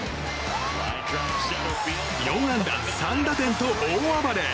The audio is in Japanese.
４安打３打点と大暴れ！